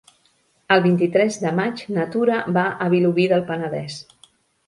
El vint-i-tres de maig na Tura va a Vilobí del Penedès.